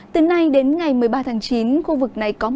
từ nay đến ngày một mươi ba chín khu vực này có mưa rứt